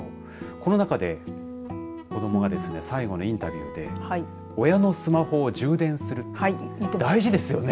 この中で子どもが最後のインタビューで親のスマホを充電する大事ですよね